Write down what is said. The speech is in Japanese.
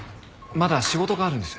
まだ仕事があるんです。